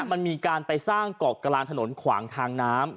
มันมีการไปสร้างเกาะกลางถนนขวางทางน้ำ